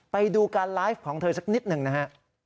ไปดูการไลฟ์ของเธอสักนิดหนึ่งนะฮะ